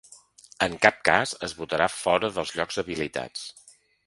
En cap cas es votarà fora dels llocs habilitats.